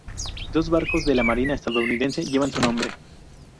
Dos barcos de la marina estadounidense llevan su nombre.